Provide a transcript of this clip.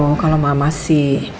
nuh kalau mama sih